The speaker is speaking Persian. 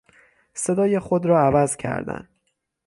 صدای خود را عوض کردن